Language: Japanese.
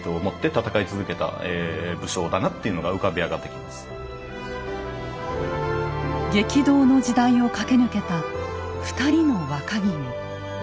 とにかくすごく激動の時代を駆け抜けた２人の若君。